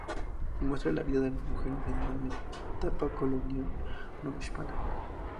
Muestra la vida de las mujeres en la etapa colonial novohispana.